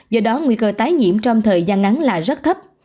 do đó nguy cơ tái nhiễm trong thời gian ngắn là rất thấp